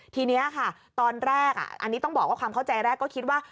ทีนี้ค่ะตอนแรกอันนี้ต้องบอกว่าความเข้าใจแรกก็คิดว่า